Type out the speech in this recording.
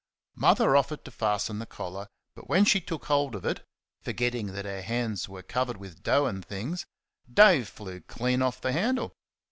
Mother offered to fasten the collar, but when she took hold of it forgetting that her hands were covered with dough and things Dave flew clean off the handle!